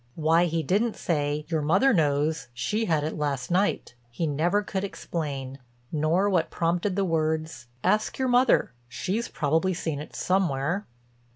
Why he didn't say, "Your mother knows; she had it last night," he never could explain; nor what prompted the words, "Ask your mother; she's probably seen it somewhere."